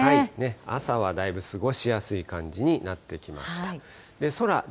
朝はだいぶ過ごしやすい感じになってきました。